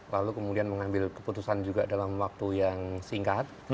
lalu kemudian mengambil keputusan juga dalam waktu yang singkat